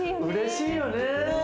うれしいよね。